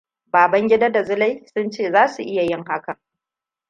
Babangida da Zulai sun ce za su iya yin hakan.